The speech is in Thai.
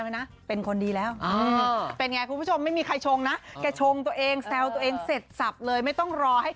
แซลตัวเองก่อนแขวะตัวเองก่อน